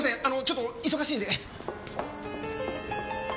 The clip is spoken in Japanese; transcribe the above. あのちょっと忙しいんで！